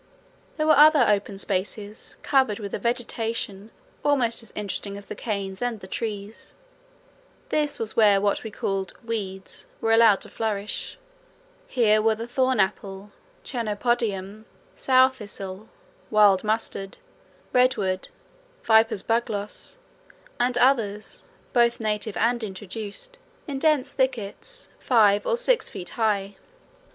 There were other open spaces covered with a vegetation almost as interesting as the canes and the trees: this was where what were called "weeds" were allowed to flourish. Here were the thorn apple, chenopodium, sow thistle, wild mustard, redweed, viper's bugloss, and others, both native and introduced, in dense thickets five or six feet high.